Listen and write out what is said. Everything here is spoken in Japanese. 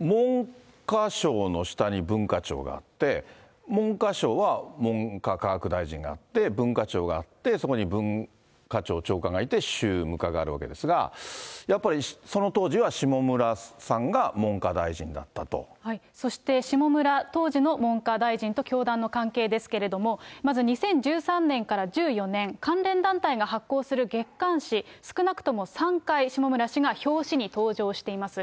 文科省の下に文化庁があって、文科省は文部科学大臣があって、文化庁があって、そこに文化庁長官がいて、宗務課があるわけですが、やっぱりその当時は下村さんそして下村、当時の文科大臣と教団の関係ですけれども、まず２０１３年から１４年、関連団体が発行する月刊誌、少なくとも３回、下村氏が表紙に登場しています。